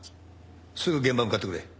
すぐ現場へ向かってくれ。